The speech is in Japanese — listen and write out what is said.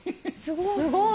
・すごい！